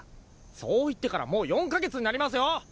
そう言ってからもう４カ月になりますよ。